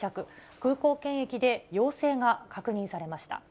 空港検疫で陽性が確認されました。